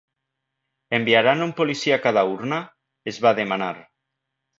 Enviaran un policia a cada urna?, es va demanar.